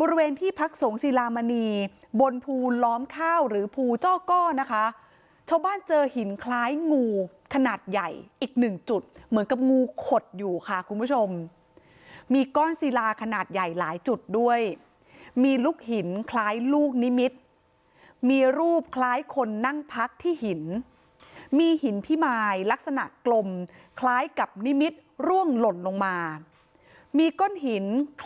บริเวณที่พักสงศิลามณีบนภูล้อมข้าวหรือภูจ้อก้อนะคะชาวบ้านเจอหินคล้ายงูขนาดใหญ่อีกหนึ่งจุดเหมือนกับงูขดอยู่ค่ะคุณผู้ชมมีก้อนศิลาขนาดใหญ่หลายจุดด้วยมีลูกหินคล้ายลูกนิมิตรมีรูปคล้ายคนนั่งพักที่หินมีหินพิมายลักษณะกลมคล้ายกับนิมิตรร่วงหล่นลงมามีก้อนหินคล